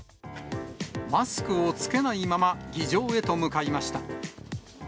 マスクを着けないまま議場へと向かいました。